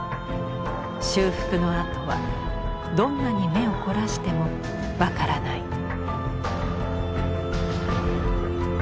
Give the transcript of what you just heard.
修復の跡はどんなに目を凝らしても分からない。